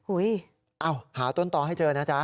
อุ้ยอ้าวหาต้นต่อให้เจอนะจ๊ะ